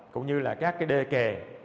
cũng như là các cái đê kè